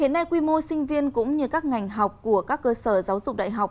hiện nay quy mô sinh viên cũng như các ngành học của các cơ sở giáo dục đại học